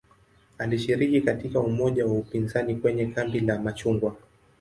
Alishiriki katika umoja wa upinzani kwenye "kambi la machungwa".